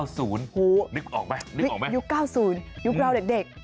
นึกออกไหมนึกออกไหมยุค๙๐ยุคเราเด็ก